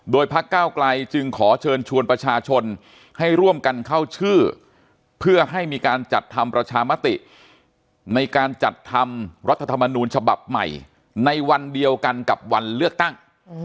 โดยพักเก้าไกลจึงขอเชิญชวนประชาชนให้ร่วมกันเข้าชื่อเพื่อให้มีการจัดทำประชามติในการจัดทำรัฐธรรมนูญฉบับใหม่ในวันเดียวกันกับวันเลือกตั้ง